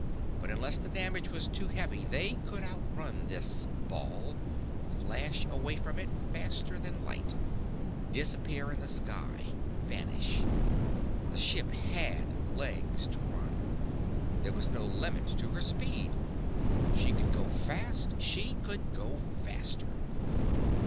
But unless the damage was too heavy they could outrun this ball, flash away from it faster than light, disappear in the sky, vanish. The ship had legs to run. There was no limit to her speed. She could go fast, then she could go faster.